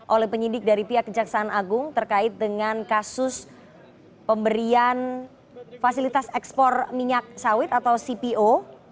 oleh penyidik dari pihak kejaksaan agung terkait dengan kasus pemberian fasilitas ekspor minyak sawit atau cpo